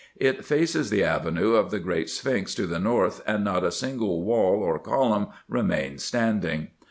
It faces the avenue of the great sphinx to the north, and not a single wall or column remains standing.